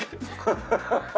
ハハハハハ！